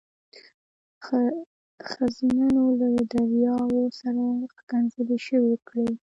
ښځمنو له دریاو سره ښکنځلې شروع کړې.